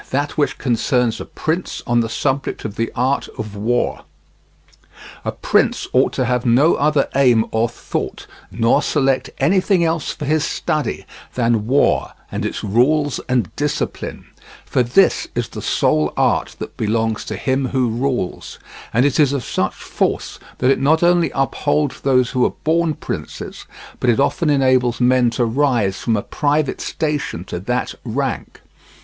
THAT WHICH CONCERNS A PRINCE ON THE SUBJECT OF THE ART OF WAR A prince ought to have no other aim or thought, nor select anything else for his study, than war and its rules and discipline; for this is the sole art that belongs to him who rules, and it is of such force that it not only upholds those who are born princes, but it often enables men to rise from a private station to that rank.